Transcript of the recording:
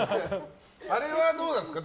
あれはどうなんですか？